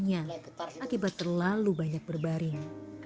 tapi luka di bongkongnya akibat terlalu banyak berbaring